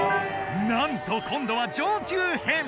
なんと今度は上級編。